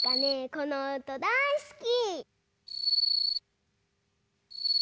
このおとだいすき！